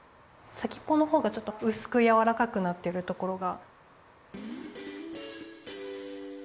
先っぽのほうがちょっとうすくやわらかくなってるところが。